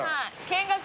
見学？